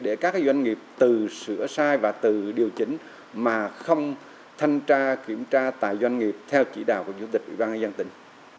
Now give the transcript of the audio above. để các doanh nghiệp từ sửa sai và từ điều chỉnh mà không thanh tra kiểm tra tại doanh nghiệp theo chỉ đạo của chủ tịch ủy ban dân tỉnh